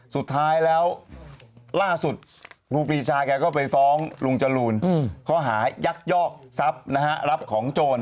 สุดท้ายแล้วล่าสุดครูปีชาแกก็ไปฟ้องลุงจรูนข้อหายักยอกทรัพย์นะฮะรับของโจร